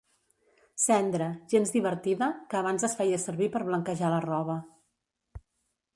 Cendra, gens divertida, que abans es feia servir per blanquejar la roba.